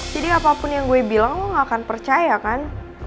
jadi apapun yang gue bilang lo gak akan percaya kan